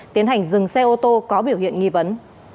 tiến hành dừng xe ô tô có biểu hiện nghi vấn